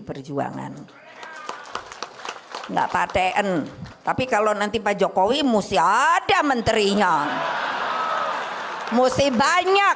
perjuangan enggak paten tapi kalau nanti pak jokowi mesti ada menterinya mesti banyak